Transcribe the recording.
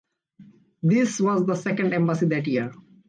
This was the second embassy that year.